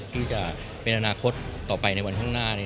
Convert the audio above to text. ที่จะเป็นอนาคตต่อไปในวันข้างหน้า